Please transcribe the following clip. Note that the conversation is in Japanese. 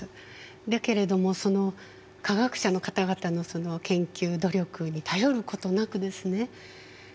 だけれども科学者の方々の研究努力に頼ることなくですね